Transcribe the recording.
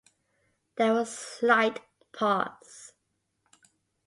There was a slight pause.